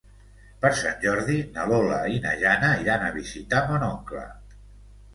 Per Sant Jordi na Lola i na Jana iran a visitar mon oncle.